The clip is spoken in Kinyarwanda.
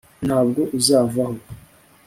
ntabwo uzavaho